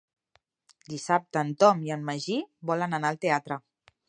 Dissabte en Tom i en Magí volen anar al teatre.